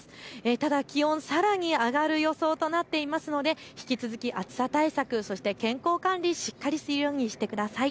ただ気温、さらに上がる予想となっていますので引き続き暑さ対策、そして健康管理、しっかりするようにしてください。